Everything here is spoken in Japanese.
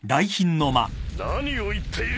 何を言っている！？